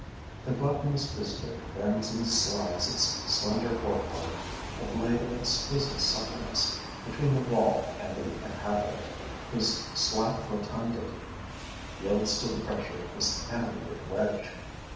The gluttonous visitor bends and slides its slender fore part, a blade of exquisite suppleness, between the wall and the inhabitant, whose slack rotundity yields to the pressure of this animated wedge.